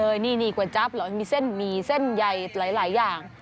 สั่งเลยนี่นี่ก๋วยจั๊บเหรอมีเส้นมีเส้นใยหลายอย่าง